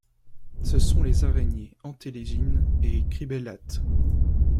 Ce sont des araignées entélégynes et cribellates.